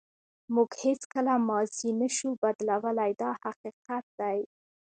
موږ هیڅکله ماضي نشو بدلولی دا حقیقت دی.